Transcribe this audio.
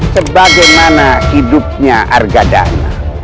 sebagaimana hidupnya argadana